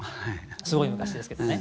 すごい昔ですけどね。